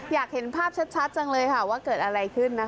อยากเห็นภาพชัดจังเลยค่ะว่าเกิดอะไรขึ้นนะคะ